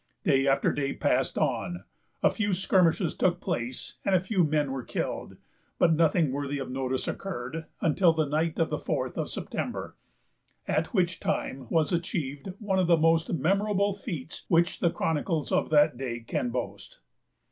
Day after day passed on; a few skirmishes took place, and a few men were killed, but nothing worthy of notice occurred, until the night of the fourth of September, at which time was achieved one of the most memorable feats which the chronicles of that day can boast.